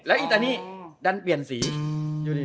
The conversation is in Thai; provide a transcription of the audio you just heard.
แล้วอี๊ตานี่ด้านเปลี่ยนสี